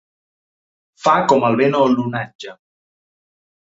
Fa com el vent o l'onatge.